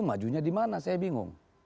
majunya dimana saya bingung